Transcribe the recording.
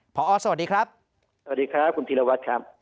พอสวัสดีครับสวัสดีครับคุณธีรวัตรครับ